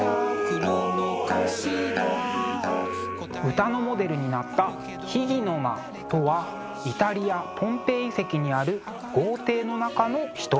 歌のモデルになった秘儀の間とはイタリアポンペイ遺跡にある豪邸の中の一部屋。